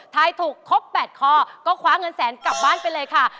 ถ่ายถูกครบ๘ข้อก็คว้าเงินแสนกลับบ้านไปเลยค่ะ